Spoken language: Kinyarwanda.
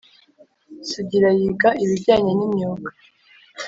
Sugira yiga ibijyanye n’imyuga